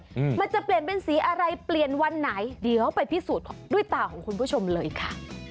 มันจะเปลี่ยนเป็นสีอะไรเปลี่ยนวันไหนเดี๋ยวไปพิสูจน์ด้วยตาของคุณผู้ชมเลยค่ะ